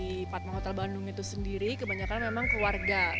tapi di kota bandung itu sendiri kebanyakan memang keluarga